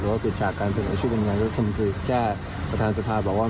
หรือว่าปิดฉากการเสนอชีพบัญญาณก็คงคือแค่ประธานสภาบอกว่า